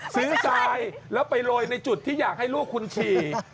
ทรายแล้วไปโรยในจุดที่อยากให้ลูกคุณฉี่